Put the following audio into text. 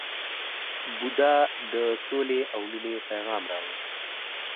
بودا د سولې او مینې پیغام راوړ.